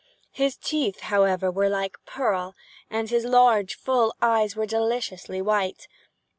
His teeth, however, were like pearl, and his large full eyes were deliciously white.